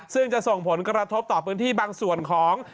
ซึ่งจะส่งผลกระทบต่อพื้นที่บางส่วนของ